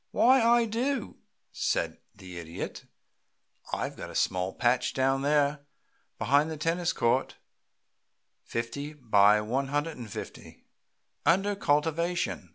"Why, I do," said the Idiot. "I've got a small patch down there behind the tennis court, fifty by one hundred feet, under cultivation.